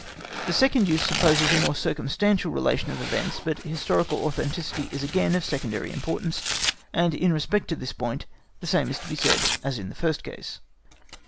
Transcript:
The second use supposes a more circumstantial relation of events, but historical authenticity is again of secondary importance, and in respect to this point the same is to be said as in the first case.